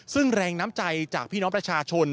ซึ่งแรงน้ำใจจากพี่น้องประชาชน